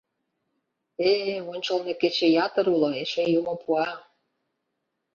Э-э, ончылно кече ятыр уло, эше Юмо пуа.